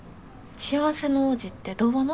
幸せの王子って童話の？